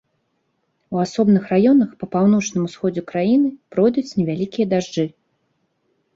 У асобных раёнах па паўночным усходзе краіны пройдуць невялікія дажджы.